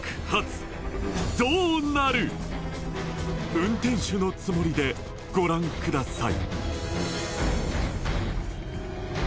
運転手のつもりでご覧ください